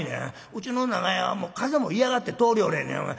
うちの長屋は風も嫌がって通りよれへんねん。